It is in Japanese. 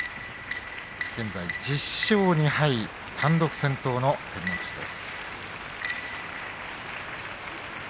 現在１０勝２敗単独先頭の照ノ富士です。